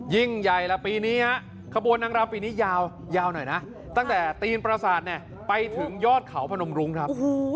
ยิ่งใหญ่แล้วปีนี้ฮะขบวนนางรำปีนี้ยาวหน่อยนะตั้งแต่ตีนประสาทไปถึงยอดเขาพนมรุ้งครับ